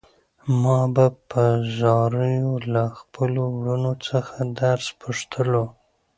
ما به په زاریو له خپلو وروڼو څخه درس پوښتلو.